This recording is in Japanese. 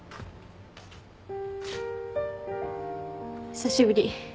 ・久しぶり。